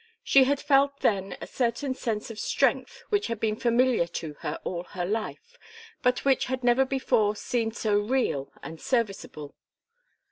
She had felt then a certain sense of strength which had been familiar to her all her life, but which had never before seemed so real and serviceable.